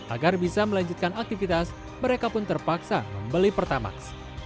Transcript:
agar bisa melanjutkan aktivitas mereka pun terpaksa membeli pertamax